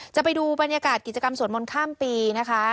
จะไปดูบรรยากาศกิจกรรมสวดมนต์ข้ามปีนะคะ